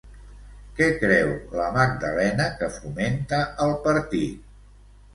Què creu la Magdalena que fomenta el partit?